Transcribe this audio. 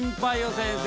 先生。